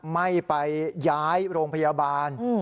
ไม่ไปย้ายโรงพยาบาล